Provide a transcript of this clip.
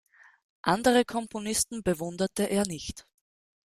Andere Komponisten bewunderte er nicht.